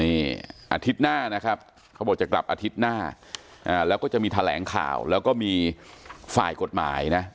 นี่อาทิตย์หน้านะครับเขาบอกจะกลับอาทิตย์หน้าแล้วก็จะมีแถลงข่าวแล้วก็มีฝ่ายกฎหมายนะ